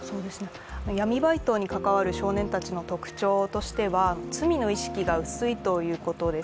闇バイトに関わる少年たちの特徴としては罪の意識が薄いということです。